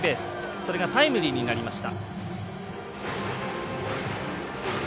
それがタイムリーになりました。